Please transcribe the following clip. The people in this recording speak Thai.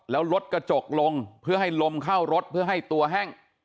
แล้วลดกระจกลงเพื่อให้ลมเข้ารถเพื่อให้ตัวแห้ง